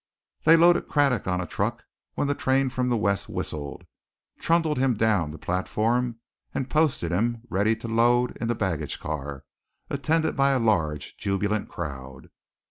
They loaded Craddock on a truck when the train from the west whistled, trundled him down the platform and posted him ready to load in the baggage car, attended by a large, jubilant crowd.